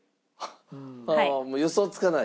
ああもう予想つかない？